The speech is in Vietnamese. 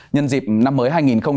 nhân dịp năm mới hai nghìn hai mươi bốn